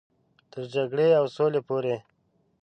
تر جګړې او سولې پورې.